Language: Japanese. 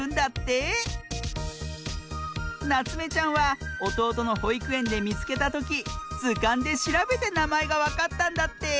なつめちゃんはおとうとのほいくえんでみつけたときずかんでしらべてなまえがわかったんだって！